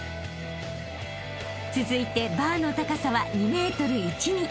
［続いてバーの高さは２ｍ１に］